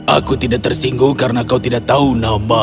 aku tidak tersinggung karena kau tidak tahu nama